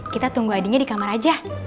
kita tunggu adinya di kamar aja